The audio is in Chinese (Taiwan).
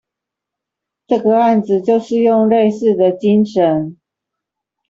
這個案子就是用類似的精神